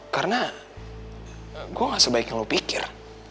karena gue gak sebaik yang lo pikir